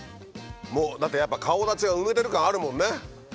もうだってやっぱ顔立ちが埋めてる感あるもんね。